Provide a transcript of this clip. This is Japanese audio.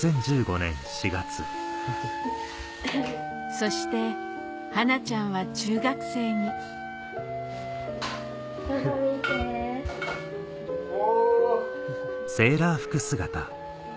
そしてはなちゃんは中学生にお！